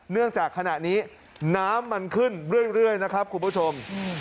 จากขณะนี้น้ำมันขึ้นเรื่อยนะครับคุณผู้ชม